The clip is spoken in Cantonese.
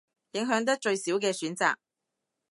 影響得最少嘅選擇